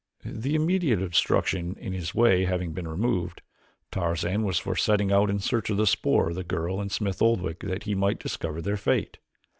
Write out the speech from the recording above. The immediate obstruction in his way having been removed, Tarzan was for setting out in search of the spoor of the girl and Smith Oldwick, that he might discover their fate.